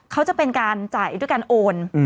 จะเป็นการจ่ายด้วยการโอน